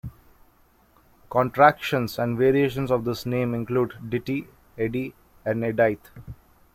Contractions and variations of this name include Ditte, Edie and Edythe.